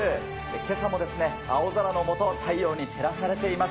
けさも青空のもと、太陽に照らされています。